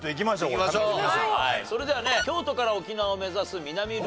それではね京都から沖縄を目指す南ルートの挑戦です。